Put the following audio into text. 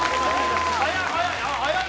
早い早い。